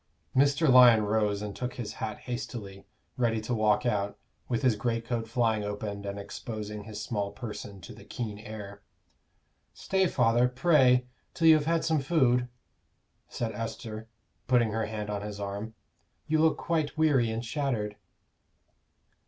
Mr. Lyon rose and took his hat hastily, ready to walk out, with his greatcoat flying open and exposing his small person to the keen air. "Stay, father, pray, till you have had some food," said Esther, putting her hand on his arm. "You look quite weary and shattered."